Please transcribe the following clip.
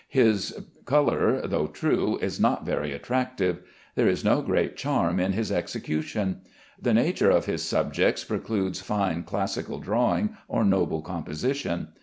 His color, though true, is not very attractive. There is no great charm in his execution. The nature of his subjects precludes fine, classical drawing or noble composition.